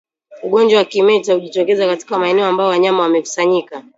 Ugonjwa wa kimeta hujitokeza katika maeneo ambayo wanyama wamekusanyika